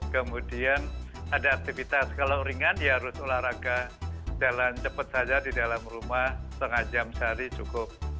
kemudian ada aktivitas kalau ringan ya harus olahraga jalan cepat saja di dalam rumah setengah jam sehari cukup